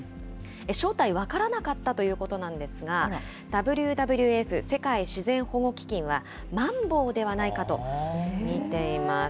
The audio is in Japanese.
正体分からなかったということなんですが、ＷＷＦ・世界自然保護基金は、マンボウではないかと見ています。